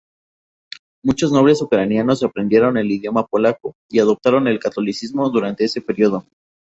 Muchos nobles ucranianos aprendieron el idioma polaco y adoptaron el catolicismo durante ese período.